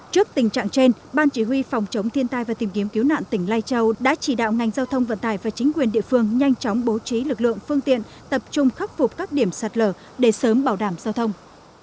trước tình trạng trên ban chỉ huy phòng chống thiên tai và tìm kiếm cứu nạn tỉnh lai châu đã chỉ đạo ngành giao thông vận tải và chính quyền địa phương nhanh chóng bố trí lực lượng phương tiện tập trung khắc phục các điểm sạt lở để sớm bảo đảm giao thông